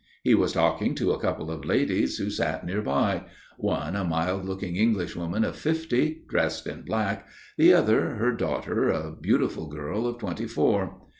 He was talking to a couple of ladies who sat near by, one a mild looking Englishwoman of fifty, dressed in black, the other, her daughter, a beautiful girl of twenty four.